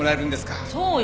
そうよ。